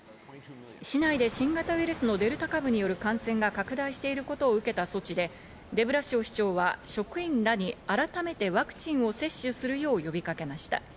市内で新型ウイルスのデルタ株による感染が拡大していることを受けた措置で、デブラシオ市長は職員らに改めてワクチンを接種するよう呼びかけました。